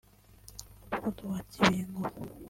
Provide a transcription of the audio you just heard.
Umudugudu wa Kabingo